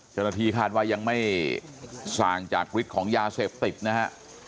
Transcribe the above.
เจ้าหน้าที่คาดว่ายังไม่ส่างจากฤทธิ์ของยาเสพติดนะฮะ